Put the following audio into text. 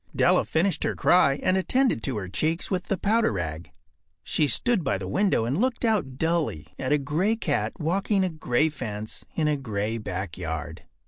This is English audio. Della finished her cry and attended to her cheeks with the powder rag. She stood by the window and looked out dully at a gray cat walking a gray fence in a gray backyard.